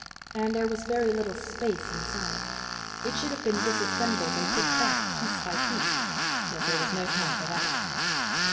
And there was very little space inside. It should have been disassembled and put back piece by piece, but there was no time for that.